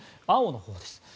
青のほうです。